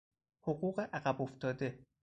حقوق عقب افتاده